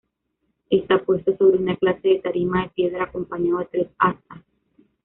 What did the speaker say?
Esta puesto sobre una clase de tarima de piedra, acompañado de tres astas.